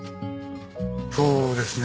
そうですね。